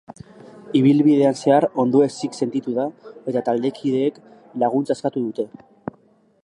Ibilbidean zehar ondoezik sentitu da eta taldekideek laguntza eskatu dute.